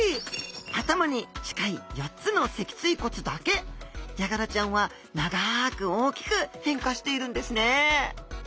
頭に近い４つの脊椎骨だけヤガラちゃんは長く大きく変化しているんですね